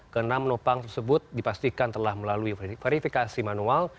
enam penumpang tersebut dipastikan telah melalui verifikasi manual